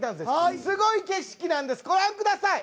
すごい景色なんですご覧ください。